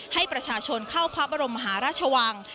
ให้ประชาชนเข้าพระบรมมหาราชวัง